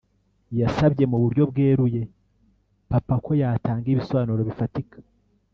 yasabye mu buryo bweruye papa ko yatanga ibisobanuro bifatika